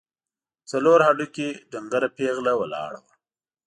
څلور هډوکي، ډنګره پېغله ولاړه وه.